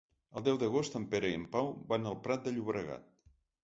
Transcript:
El deu d'agost en Pere i en Pau van al Prat de Llobregat.